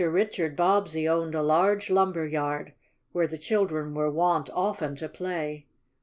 Richard Bobbsey owned a large lumberyard, where the children were wont often to play.